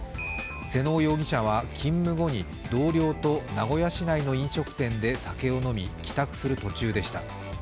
妹尾容疑者は勤務後に同僚と名古屋市内の飲食店で酒を飲み帰宅する途中でした。